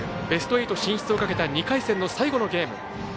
ベスト８進出をかけた２回戦の最後のゲーム。